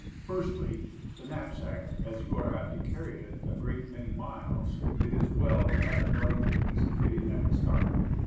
Firstly, the knapsack; as you are apt to carry it a great many miles, it is well to have it right, and easy fitting at the start.